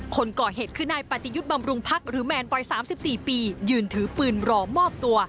คนก่อเหตุคือนายปฏิยุทธ์บำรุงพักหรือแมนวัย๓๔ปียืนถือปืนรอมอบตัว